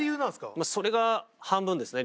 それが半分ですね